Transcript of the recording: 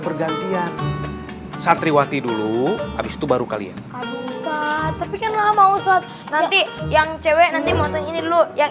bergantian santriwati dulu habis itu baru kalian tapi nanti yang cewek nanti mau ini dulu yang